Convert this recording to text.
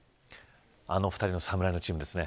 あの２人の、侍のチームですね。